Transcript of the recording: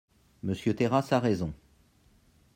Monsieur Terrasse a raison.